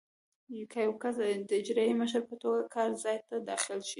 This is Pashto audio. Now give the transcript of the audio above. که یو کس د اجرایي مشر په توګه کار ځای ته داخل شي.